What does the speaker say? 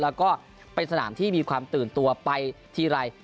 แล้วก็เป็นสนามที่มีความตื่นตัวไปทีไร